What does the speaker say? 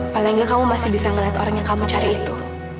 paling nggak kamu masih bisa melihat orang yang kamu cari itu